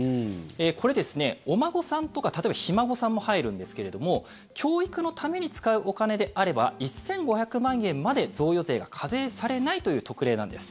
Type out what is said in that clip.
これ、お孫さんとか例えばひ孫さんも入るんですけど教育のために使うお金であれば１５００万円まで贈与税が課税されないという特例なんです。